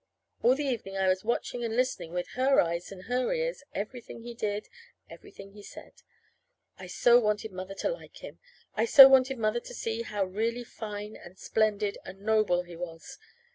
All the evening I was watching and listening with her eyes and her ears everything he did, everything he said. I so wanted Mother to like him! I so wanted Mother to see how really fine and splendid and noble he was.